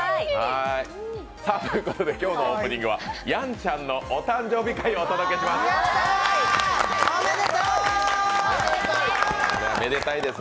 今日のオープニングは、やんちゃんのお誕生日会をお届けします。